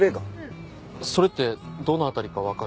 それってどの辺りかわかる？